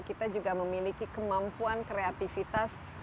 kita juga memiliki kemampuan kreatifitas